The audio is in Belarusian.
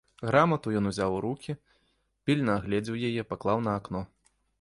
Грамату ён узяў у рукі, пільна агледзеў яе, паклаў на акно.